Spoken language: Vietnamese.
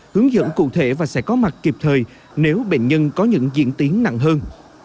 hướng dẫn cụ thể và sẽ có mặt kịp thời nếu bệnh nhân có những diễn tiến nặng hơn